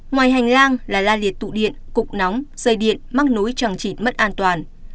ngoài hành lang là la liệt tụ điện cục nóng dây điện mắc nối chẳng chỉn mất an toàn